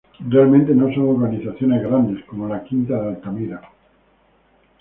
Realmente no son Urbanizaciones grandes como Las Quinta de Altamira.